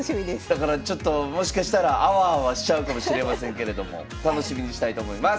だからちょっともしかしたらあわあわしちゃうかもしれませんけれども楽しみにしたいと思います。